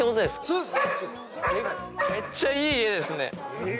そうです